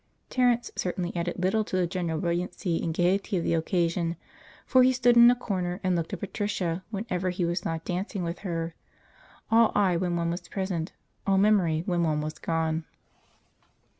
Terence certainly added little to the general brilliancy and gaiety of the occasion, for he stood in a corner and looked at Patricia whenever he was not dancing with her, 'all eye when one was present, all memory when one was gone.'